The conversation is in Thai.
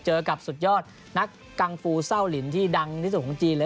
เจอกับสุดยอดนักกังฟูเศร้าลินที่ดังที่สุดของจีนเลย